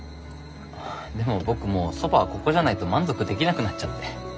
でも僕もうそばはここじゃないと満足できなくなっちゃって。